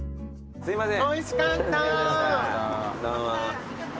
すみません。